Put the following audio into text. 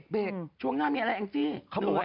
เบกช่วงหน้ามีอะไรอังกฤษ